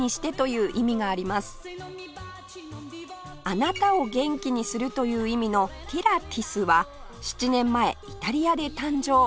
「あなたを元気にする」という意味のティラティスは７年前イタリアで誕生